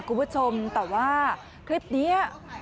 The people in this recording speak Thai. คุณผู้ชมแต่ว่าคลิปนี้